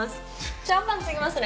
シャンパンつぎますね。